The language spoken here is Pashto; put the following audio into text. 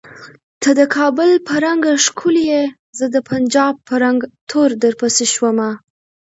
ته د کابل په رنګه ښکولیه زه د پنجاب په رنګ تور درپسې شومه